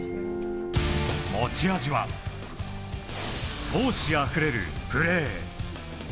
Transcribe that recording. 持ち味は闘志あふれるプレー。